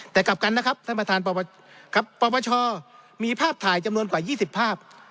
แต่กลับกันนะครับสัมภาษณ์ประวัติชอมีภาพถ่ายจำนวนกว่า๒๐ภาพ